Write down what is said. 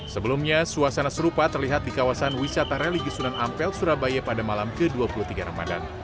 sebelumnya suasana serupa terlihat di kawasan wisata religi sunan ampel surabaya pada malam ke dua puluh tiga ramadan